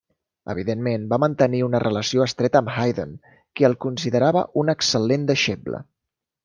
Evidentment va mantenir una relació estreta amb Haydn, qui el considerava un excel·lent deixeble.